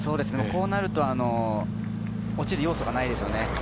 こうなると落ちる要素がないですよね。